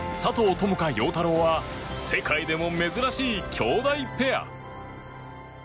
友花・陽太郎は世界でも珍しい姉弟ペア。